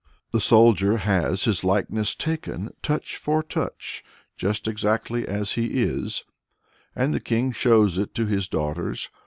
The soldier has his likeness taken, "touch for touch, just exactly as he is," and the king shows it to his daughters.